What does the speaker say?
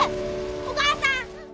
お母さん！